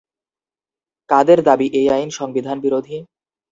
কাদের দাবি, এই আইন সংবিধানবিরোধী?